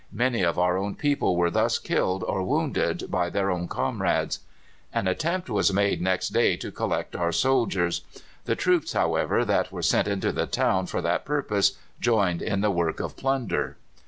Many of our own people were thus killed or wounded by their own comrades. An attempt was made next day to collect our soldiers. The troops, however, that were sent into the town for that purpose joined in the work of plunder.